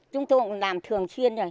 chúng tôi cũng làm thường chuyên